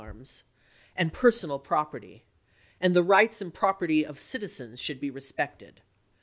VICKSBUKG 305 arms and personal property, and the rights and chap.x. property of citizens should be respected.